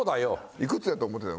いくつやと思ってたの？